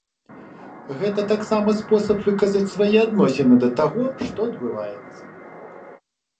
Гэта таксама спосаб выказаць свае адносіны да таго, што адбываецца.